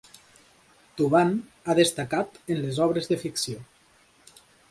Thuban ha destacat en les obres de ficció.